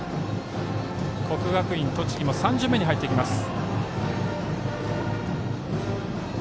国学院栃木も３巡目に入っていきます。